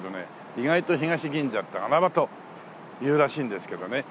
意外と東銀座って穴場と言うらしいんですけどね。